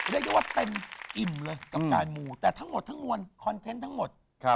เรียกว่าเต็มอิ่มเลยกับจ่ายมูแต่ทั้งหมดคอนเทนต์ทั้งหมด